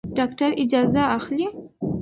ډاکټر اجازه اخلي.